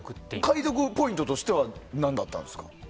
解読ポイントとしては何だったんですか？